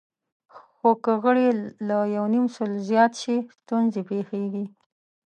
خو که غړي له یونیمسلو زیات شي، ستونزې پېښېږي.